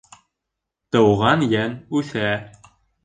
Тыуған йән үҫә.